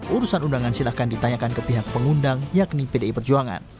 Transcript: urusan undangan silahkan ditanyakan ke pihak pengundang yakni pdi perjuangan